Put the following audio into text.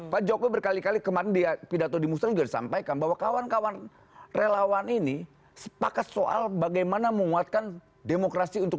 pak jokowi berkali kali kemarin di pidato di musra juga disampaikan bahwa kawan kawan relawan ini sepakat soal bagaimana menguatkan demokrasi untuk